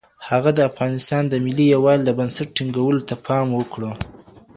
هغه د افغانستان د ملي یووالي د بنسټ ټینګولو ته پام وکړ.